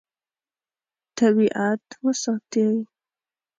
طبیعت وساتئ.